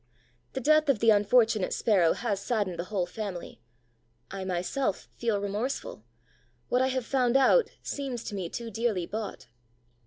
The death of the unfortunate Sparrow has saddened the whole family. I myself feel remorseful: what I have found out seems to me too dearly bought.